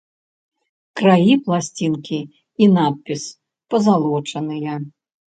Краі пласцінкі і надпіс пазалочаныя.